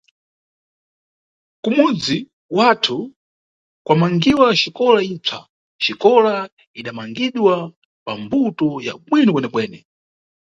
Kumudzi wathu kwamangiwa xikola ipsa, xikola idamangidwa pambuto ya bwino kwenekwene.